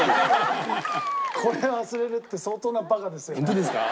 これ忘れるって相当なバカですよね。